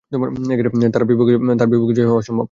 তার বিপক্ষে বিজয়ী হওয়া অসম্ভব।